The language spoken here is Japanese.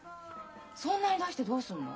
そんなに出してどうすんの？